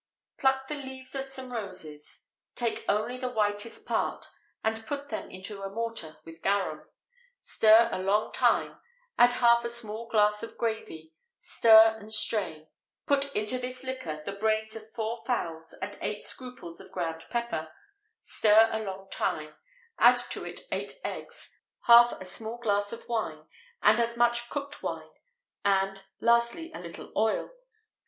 _ Pluck the leaves of some roses; take only the whitest part, and put them into a mortar with garum. Stir a long time; add half a small glass of gravy; stir and strain; put into this liquor the brains of four fowls and eight scruples of ground pepper; stir a long time; add to it eight eggs, half a small glass of wine, and as much cooked wine, and, lastly, a little oil.